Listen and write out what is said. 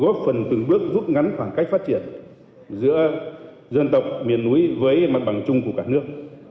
góp phần từng bước rút ngắn khoảng cách phát triển giữa dân tộc miền núi với mặt bằng chung của cả nước